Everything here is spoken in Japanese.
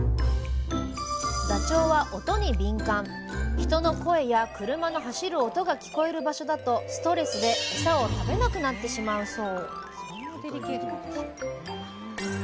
人の声や車の走る音が聞こえる場所だとストレスでエサを食べなくなってしまうそう